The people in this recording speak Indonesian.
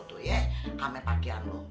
kamen pakaian lo